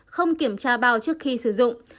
không kiểm tra bao trước khi sử dụng